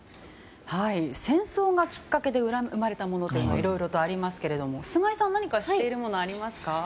戦争がきっかけで生まれたものというのがいろいろとありますけど菅井さん、何か知っていますか？